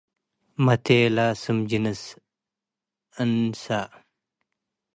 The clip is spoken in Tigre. መቴለ፤ ስም ጅንስ እንሰ ።